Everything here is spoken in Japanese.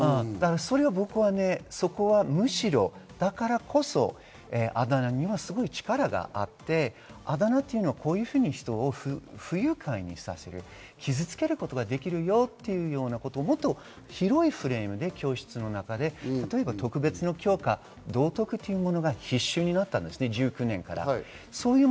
そこはむしろ、だからこそあだ名には力があって、あだ名はこういうふうに人を不愉快にさせる、傷つけることができるよっていうようなことを広いフレームで教室の中で特別の教科、道徳というものが必修になったんです、１９年から。